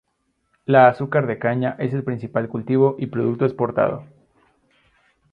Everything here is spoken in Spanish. El azúcar de caña es el principal cultivo y producto exportado.